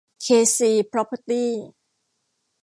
เค ซี พร็อพเพอร์ตี้